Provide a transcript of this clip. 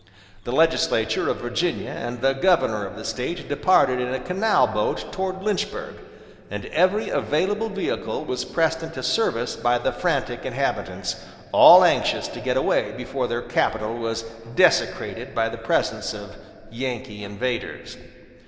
The legislature of Virginia and the governor of the State departed in a canal boat toward Lynchburg; and every available vehicle was pressed into service by the frantic inhabitants, all anxious to get away before their capital was desecrated by the presence of "Yankee invaders."